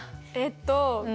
えっと。